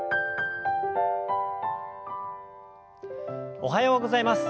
おはようございます。